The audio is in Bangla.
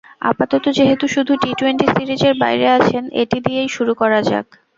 আপাতত যেহেতু শুধু টি-টোয়েন্টি সিরিজের বাইরে আছেন, এটি দিয়েই শুরু করা যাক।